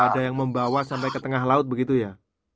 ada yang membawa sampai ke tengah laut begitu ya